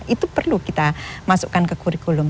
itu perlu kita masukkan ke kurikulum